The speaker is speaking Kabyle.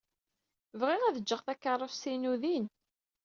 Bɣiɣ ad jjeɣ takeṛṛust-inu din.